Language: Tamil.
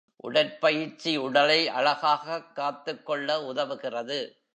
உடற்பயிற்சி உடலை அழகாகக் காத்துக் கொள்ள உதவுகிறது.